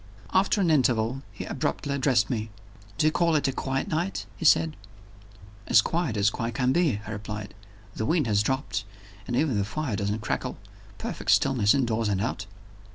After an interval, he abruptly addressed me. "Do you call it a quiet night?" he said. "As quiet as quiet can be," I replied. "The wind has dropped and even the fire doesn't crackle. Perfect stillness indoors and out."